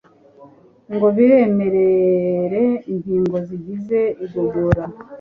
ngo biremerere ingingo zigize igogora